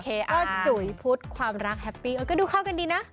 เออจุ๋ยพุทธความรักแฮปปี้ก็ดูเข้ากันดีนะ